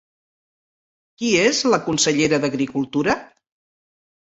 Qui és la consellera d'Agricultura?